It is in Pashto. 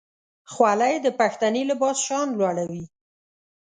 خولۍ د پښتني لباس شان لوړوي.